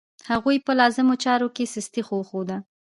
هغوی په لازمو چارو کې سستي وښوده.